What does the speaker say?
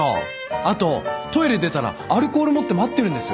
あとトイレ出たらアルコール持って待ってるんですよ。